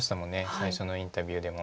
最初のインタビューでも。